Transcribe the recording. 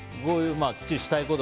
きっちりしたいこと。